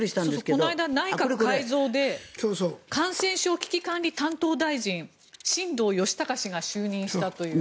確か、この間、内閣改造で感染症危機管理担当大臣新藤義孝氏が就任したという。